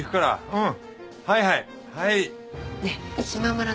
うん。